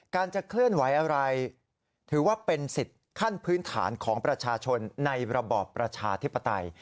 จะเคลื่อนไหวอะไรถือว่าเป็นสิทธิ์ขั้นพื้นฐานของประชาชนในระบอบประชาธิปไตย